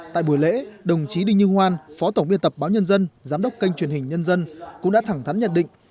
tại buổi lễ đồng chí đinh như hoan phó tổng biên tập báo nhân dân giám đốc kênh truyền hình nhân dân cũng đã thẳng thắn nhận định